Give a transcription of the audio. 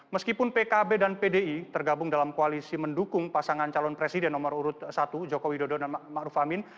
meskipun pkb dan pdi tergabung dalam koalisi mendukung pasangan calon presiden nomor urut satu joko widodo dan ma'ruf amin